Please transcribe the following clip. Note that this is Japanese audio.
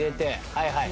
はいはい。